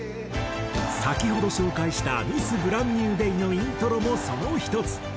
先ほど紹介した『ミス・ブランニュー・デイ』のイントロもその１つ。